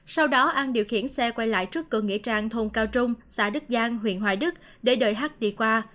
sau đó an điều khiển xe quay lại trước cửa nghĩa trang thôn cao trung xã đức giang huyện hoài đức để đợi hắc đi qua